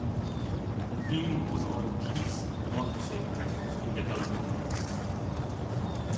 The theme was on peace, democracy, and development.